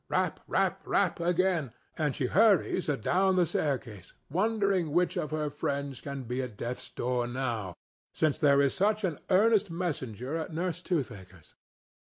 "Rap, rap, rap!" again, and she hurries adown the staircase, wondering which of her friends can be at death's door now, since there is such an earnest messenger at Nurse Toothaker's.